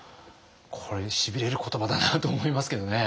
これしびれる言葉だなと思いますけどね。